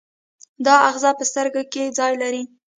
دا آخذه په سترګه کې ځای لري.